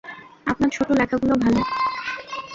আপনার ছোট লেখাগুলো ভালো।